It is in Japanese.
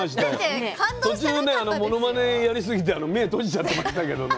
途中ねものまねやりすぎて目閉じちゃってましたけどね。